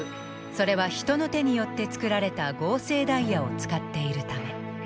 それは人の手によって作られた合成ダイヤを使っているため。